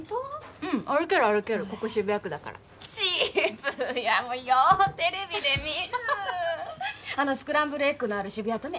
うん歩ける歩けるここ渋谷区だから渋谷もよテレビで見るあのスクランブルエッグのある渋谷とね？